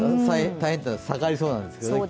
大変というのは気温が下がりそうなんです。